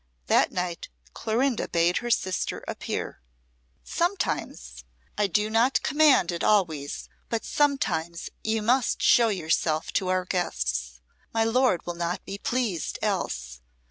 That night Clorinda bade her sister appear. "Sometimes I do not command it always but sometimes you must show yourself to our guests. My lord will not be pleased else.